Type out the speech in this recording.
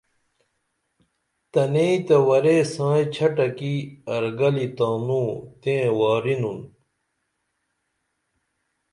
تنئیں تیہ ورے سائیں چھٹہ کی ارگلی تانوں تیں وارینُن